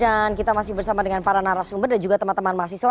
dan kita masih bersama dengan para narasumber dan teman teman mahasiswa